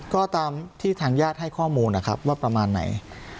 ก็ตามที่ทางญาติให้ข้อมูลนะครับว่าประมาณไหน